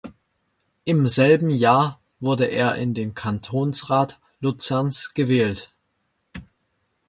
Im selben Jahr wurde er in den Kantonsrat Luzerns gewählt.